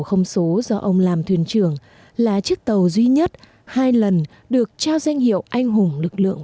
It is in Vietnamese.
không số do ông làm thuyền trưởng là chiếc tàu duy nhất hai lần được trao danh hiệu anh hùng lực lượng